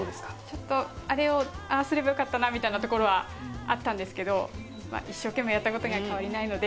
ちょっとあれをああすればよかったなみたいなところはあったんですけど一生懸命やったことには変わりないので。